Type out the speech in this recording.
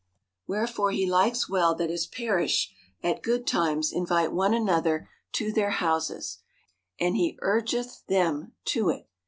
Wherefore he likes well that his parish at good times invite one another to their houses ; and he urgeth them to it.